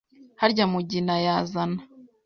Harya Mugina yazana